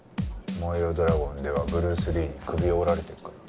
『燃えよドラゴン』ではブルース・リーに首を折られてるから。